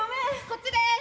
こっちです。